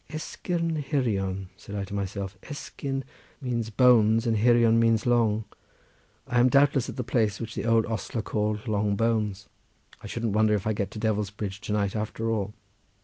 "Esgyrn Hirion," said I to myself; "Esgyrn means bones, and Hirion means long. I am doubtless at the place which the old ostler called Long Bones. I shouldn't wonder if I get to the Devil's Bridge to night after all."